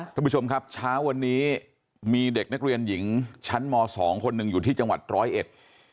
ท่านผู้ชมครับเช้าวันนี้มีเด็กนักเรียนหญิงชั้นมสองคนหนึ่งอยู่ที่จังหวัดร้อยเอ็ด